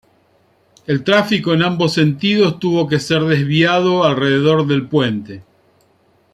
El tráfico en ambos sentidos tuvo que ser desviada alrededor del puente.